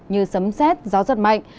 như sấm xét gió giật mạnh